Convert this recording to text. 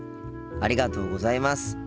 ありがとうございます。